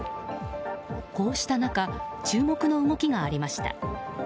こうした中注目の動きがありました。